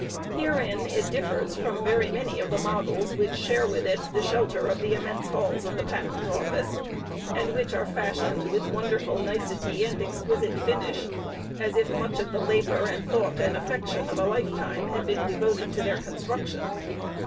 Herein it differs from very many of the models which share with it the shelter of the immense halls of the Patent Office, and which are fashioned with wonderful nicety and exquisite finish, as if much of the labor and thought and affection of a lifetime had been devoted to their construction.